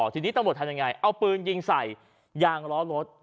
ทีนี้ตำรวจทำยังไงเอาปืนยิงใส่ยางล้อรถ